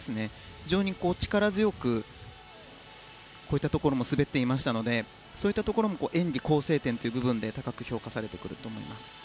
非常に力強く滑っていましたのでそういったところも演技構成点で高く評価されてくると思います。